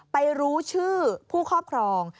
ไปรู้ชื่อผู้ครอบครอง